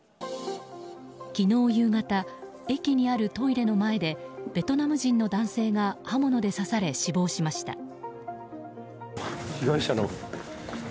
昨日夕方、駅にあるトイレの前でベトナム人の男性が刃物で刺され死亡しました。